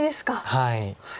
はい。